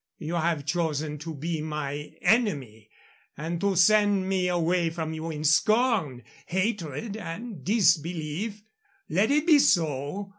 You have chosen to be my enemy and to send me away from you in scorn, hatred, and disbelief. Let it be so.